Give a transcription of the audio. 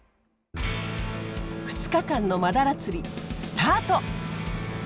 ２日間のマダラ釣りスタート！